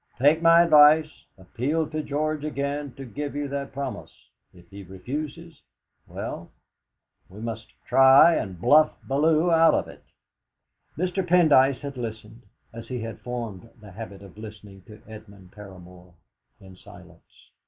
Take my advice, appeal to George again to give you that promise. If he refuses, well, we must try and bluff Bellew out of it." Mr. Pendyce had listened, as he had formed the habit of listening to Edmund Paramor, in silence.